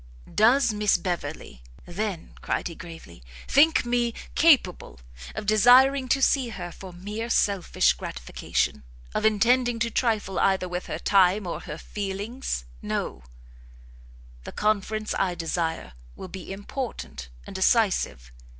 "Does Miss Beverley, then," cried he gravely, "think me capable of desiring to see her for mere selfish gratification? of intending to trifle either with her time or her feelings? no; the conference I desire will be important and decisive.